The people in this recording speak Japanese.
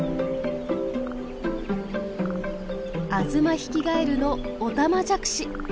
アズマヒキガエルのオタマジャクシ。